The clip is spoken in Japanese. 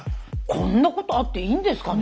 こんなことあっていいんですかね。